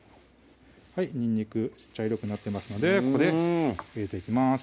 にんにく茶色くなってますのでここで入れていきます